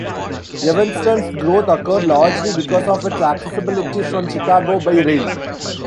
Evanston's growth occurred largely because of its accessibility from Chicago by rail.